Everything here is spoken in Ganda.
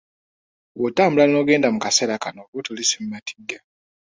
Bwotambula n'ogenda mu kaseera kano oba otulese mu matigga.